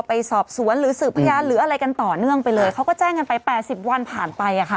ไปสอบสวนหรือสืบพยานหรืออะไรกันต่อเนื่องไปเลยเขาก็แจ้งกันไป๘๐วันผ่านไปอ่ะค่ะ